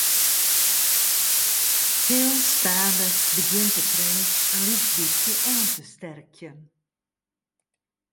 Heel stadich begjint de prins in lyts bytsje oan te sterkjen.